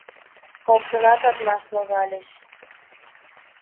Коктынат атмаш логальыч